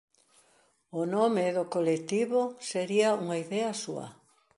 O nome do colectivo sería unha idea súa.